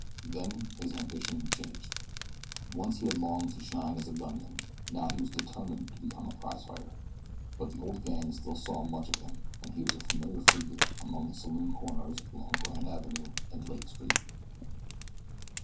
Then his ambition changed. Once he had longed to shine as a gunman; now he was determined to become a prize fighter; but the old gang still saw much of him, and he was a familiar figure about the saloon corners along Grand Avenue and Lake Street.